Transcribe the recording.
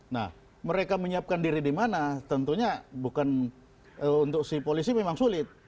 nah mereka menyiapkan diri di mana tentunya bukan untuk si polisi memang sulit